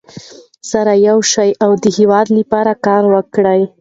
سره یو شئ او د هېواد لپاره کار وکړئ.